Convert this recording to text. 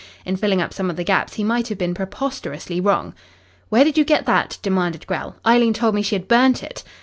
In filling up some of the gaps he might have been preposterously wrong. "Where did you get that?" demanded Grell. "Eileen told me she had burnt it."